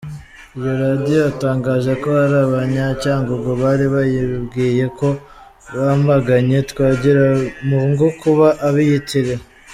Iyo radiyo yatangaje ko hari abanya Cyangugu bari bayibwiye ko bamaganye Twagiramungu kuba abiyitirira.